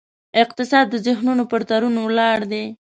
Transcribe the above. اقتصاد د ذهنونو پر تړون ولاړ دی.